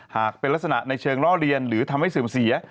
หากเป็นลักษณะในเชิงล่อเลียนหรือทำให้เสื่อมเสีย